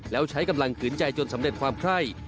แล้วใช้กำลังขืนใจจนสำเร็จความไข้